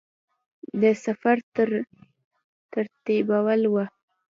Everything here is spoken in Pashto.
د سفر ترتیبول وه.